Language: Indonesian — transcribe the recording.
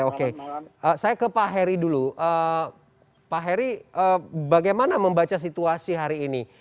oke saya ke pak heri dulu pak heri bagaimana membaca situasi hari ini